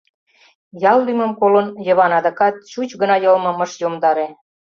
Ял лӱмым колын, Йыван адакат чуч гына йылмым ыш йомдаре.